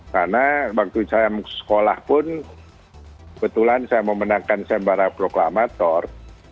karena waktu saya mau ke sekolah pun kebetulan saya mau menangkan sembarang proklamator